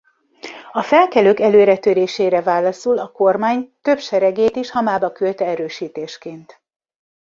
A felkelők előretörésére válaszul a kormány több seregét is Hamába küldte erősítésként.